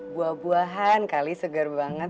buah buahan kali segar banget